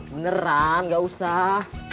beneran gak usah